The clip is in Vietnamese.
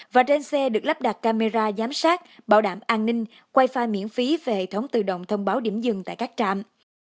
và trên xe được lắp đặt camera giám sát bảo đảm an ninh wifi miễn phí về hệ thống tự động thông báo điểm dừng tại các trạm